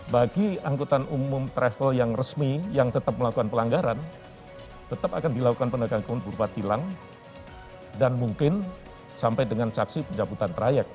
bagi angkutan umum travel yang resmi yang tetap melakukan pelanggaran tetap akan dilakukan penegakan hukum berupa tilang dan mungkin sampai dengan saksi pencabutan trayek